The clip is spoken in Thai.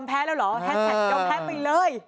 ยอมแพ้แล้วหรอแฮนด์แท็กยอมแพ้ไปเลย